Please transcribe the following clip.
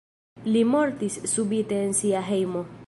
Li mortis subite en sia hejmo.